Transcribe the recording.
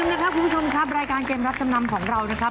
นะครับคุณผู้ชมครับรายการเกมรับจำนำของเรานะครับ